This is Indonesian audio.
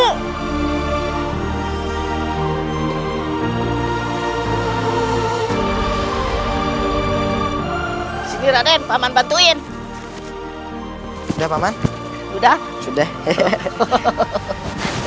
disini raden paman bantuin udah paman udah sudah hehehe